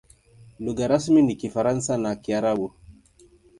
Lugha rasmi ni Kifaransa na Kiarabu.